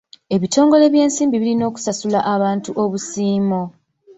Ebitongole by'ensimbi birina okusasula abantu obusiimo.